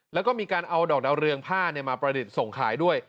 แล้วก็มีการเอาดอกดาวเรืองผ้ามาประดิษฐ์ส่งขายด้วย